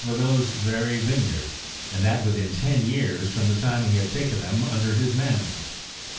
for those very vineyards, and that within ten years from the time that he had taken them under his management.